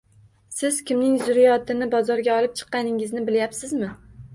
— Siz kimni zurriyotini bozorga olib chiqqaningizni bilyapsizmi?